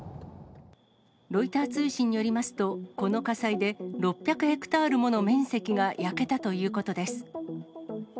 ロイター通信によりますと、この火災で、６００ヘクタールもの面積が焼けたということです。